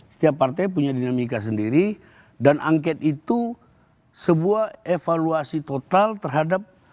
setiap partai punya dinamika sendiri dan angket itu sebuah evaluasi total terhadap